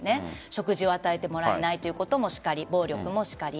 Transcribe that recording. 食事を与えてもらえないということもしかり暴力もしかり。